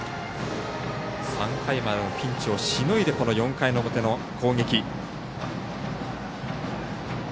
３回のピンチをしのいでこの４回の表の攻撃。